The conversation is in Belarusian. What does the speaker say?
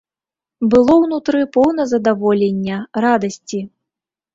Было ўнутры поўна здаволення, радасці.